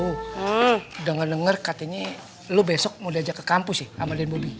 udah ngedenger katanya lo besok mau diajak ke kampus ya sama deng boy